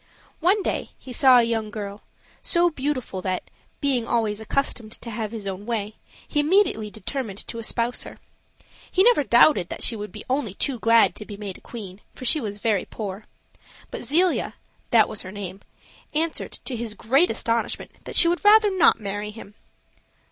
One day he saw a young girl, so beautiful that, being always accustomed to have his own way, he immediately determined to espouse her. He never doubted that she would be only too glad to be made a queen, for she was very poor. But Zelia that was her name answered, to his great astonishment, that she would rather not marry him.